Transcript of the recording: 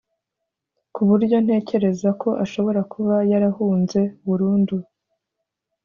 ku buryo ntekereza ko ashobora kuba yarahunze burundu